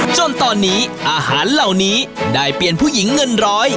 จนตอนนี้อาหารเหล่านี้ได้เปลี่ยนผู้หญิงเงินร้อย